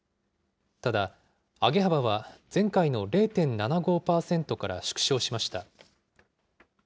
ただ、上げ幅は前回の０．７５％から縮小しました。